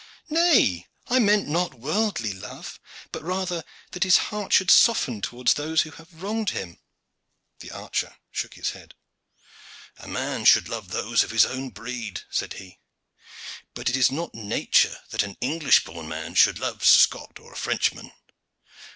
"Nay, I meant not worldly love, but rather that his heart should soften towards those who have wronged him." The archer shook his head. "A man should love those of his own breed," said he. "But it is not nature that an English born man should love a Scot or a Frenchman.